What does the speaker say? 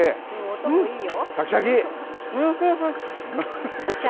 音もいいよ。